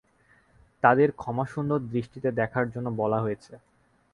তাঁদের ক্ষমাসুন্দর দৃষ্টিতে দেখার জন্য বলা হয়েছে।